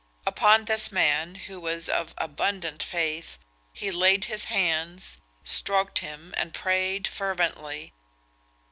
Upon this man, who was of abundant faith, he laid his hands, stroked him, and prayed fervently.